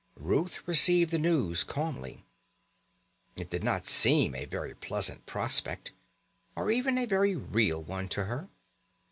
Ruth received the news calmly. It did not seem a very pleasant prospect, or even a very real one to her.